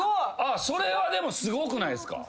それはでもすごくないっすか？